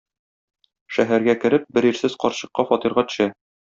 Шәһәргә кереп, бер ирсез карчыкка фатирга төшә.